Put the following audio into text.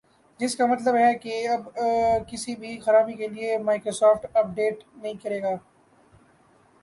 جس کا مطلب ہے اب کسی بھی خرابی کے لئے مائیکروسافٹ اپ ڈیٹ نہیں کرے گا